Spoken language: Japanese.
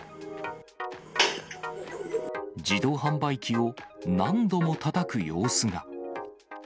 自動販売機を何度もたたく様子が。